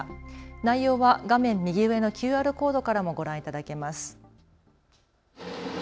内容は画面右上のＱＲコードからもご覧いただけます。